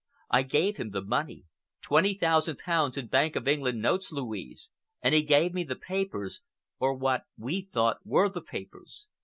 I gave him the money,—twenty thousand pounds in Bank of England notes, Louise,—and he gave me the papers, or what we thought were the papers.